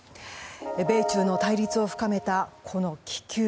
米中の対立を深めたこの気球。